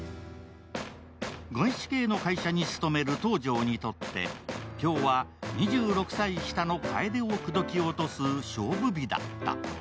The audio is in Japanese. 外資系の会社に勤める東條にとって今日は、２６歳下の楓を口説き落とす勝負日だった。